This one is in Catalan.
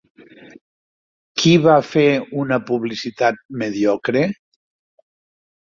Qui va fer una publicitat mediocre?